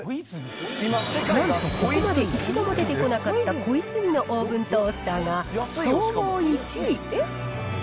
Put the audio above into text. なんと、ここまで一度も出てこなかったコイズミのオーブントースターが総合１位。